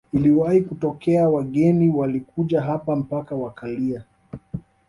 Iliwahi kutokea wageni walikuja hapa mpaka wakalia